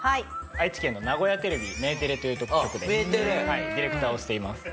愛知県の名古屋テレビメテレという局でディレクターをしています。